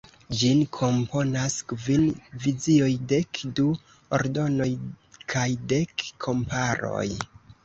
Ĝin komponas kvin vizioj, dek du “Ordonoj” kaj dek “komparoj”.